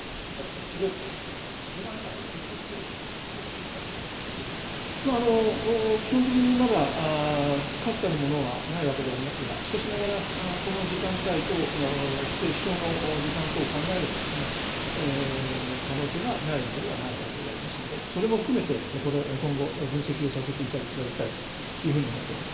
ロフテッド軌道で飛しょうしているかどうか基本的にまだ確たるものはないわけでありますがしかしながらこの時間帯と飛しょうの時間等を考えれば可能性はないわけではないわけでありますのでそれも含めて今後、分析をさせていただきたいというふうに思っています。